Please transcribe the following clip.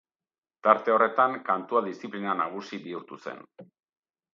Tarte horretan, kantua diziplina nagusi bihurtu zen.